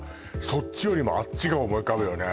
そっちよりもあっちが思い浮かぶよね